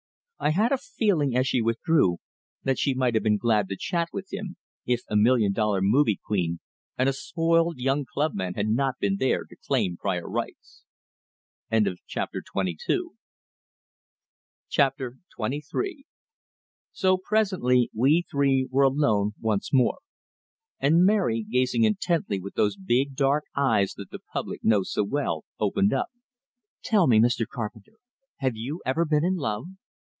I had a feeling, as she withdrew, that she might have been glad to chat with him, if a million dollar movie queen and a spoiled young club man had not been there to claim prior rights. XXIII So presently we three were alone once more; and Mary, gazing intently with those big dark eyes that the public knows so well, opened up: "Tell me, Mr. Carpenter! Have you ever been in love?"